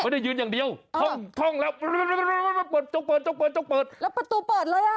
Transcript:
ไม่ได้ยืนอย่างเดียวท่องแล้วเปิด